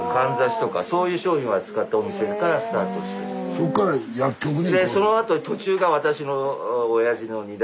そっから薬局に？